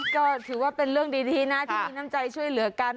ก็ถือว่าเป็นเรื่องดีนะที่มีน้ำใจช่วยเหลือกัน